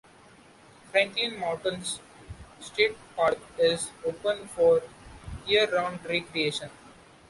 Franklin Mountains State Park is open for year-round recreation.